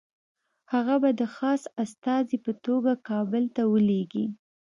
هغه به د خاص استازي په توګه کابل ته ولېږي.